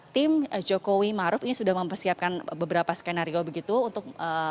tim jokowi maruf ini sudah mempersiapkan beberapa skenario begitu untuk